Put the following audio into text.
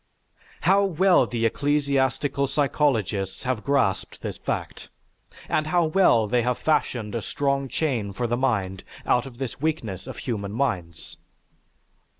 How well the ecclesiastical psychologists have grasped this fact, and how well they have fashioned a strong chain for the mind out of this weakness of human minds!